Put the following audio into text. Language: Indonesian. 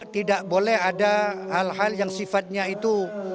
tidak boleh ada hal hal yang sifatnya itu